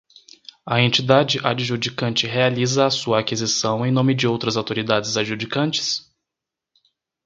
A entidade adjudicante realiza a sua aquisição em nome de outras autoridades adjudicantes?